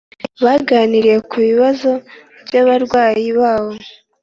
baganiriye ku bibazo by’abarwayi babo